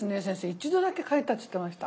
一度だけかいたって言ってました。